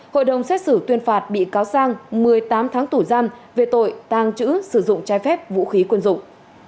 hội đồng xét xử tuyên phạt bị cáo sang một mươi tám tháng tù giam về tội tàng trữ sử dụng trái phép vũ khí quân dụng